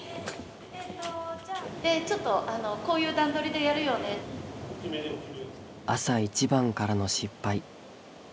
でちょっとあのこういう段取りでやるよね。朝一番からの失敗。